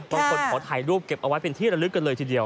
ขอถ่ายรูปเก็บเอาไว้เป็นที่ระลึกกันเลยทีเดียว